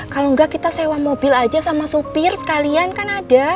mau nggak kita sewa mobil aja sama sopir sekalian kan ada